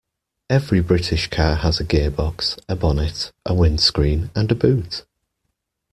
Every British car has a gearbox, a bonnet, a windscreen, and a boot